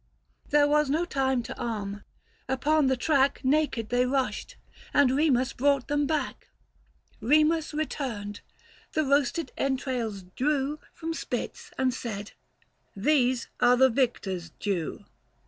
There was no time to arm : upon the track 380 Naked they rushed ; and Remus brought them back. Remus returned, — the roasted entrails drew From spits, and said, " These are the Victor's due !